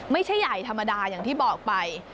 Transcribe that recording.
ไม่ใช่ใหญ่ธรรมดาอย่างที่บอกไป